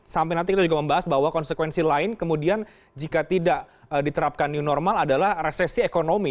sampai nanti kita juga membahas bahwa konsekuensi lain kemudian jika tidak diterapkan new normal adalah resesi ekonomi